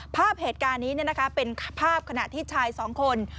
ภาพเหตุการณ์นี้เป็นภาพขณะที่ชายสองคน